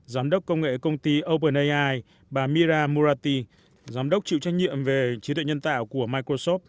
giám đốc công nghệ công ty openai bà mira murati giám đốc trịu trách nhiệm về trí tuệ nhân tạo của microsoft